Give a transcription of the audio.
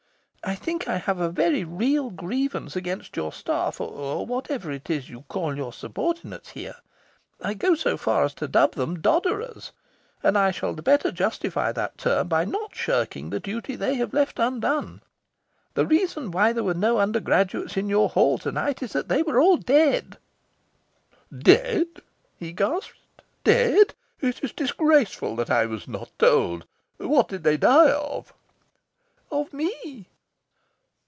I think I have a very real grievance against your staff or whatever it is you call your subordinates here. I go so far as to dub them dodderers. And I shall the better justify that term by not shirking the duty they have left undone. The reason why there were no undergraduates in your Hall to night is that they were all dead." "Dead?" he gasped. "Dead? It is disgraceful that I was not told. What did they die of?" "Of me."